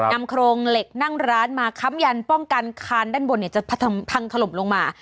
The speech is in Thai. นำโครงเหล็กนั่งร้านมาค้ำยันป้องกันคานด้านบนจะพังถล่มลงมา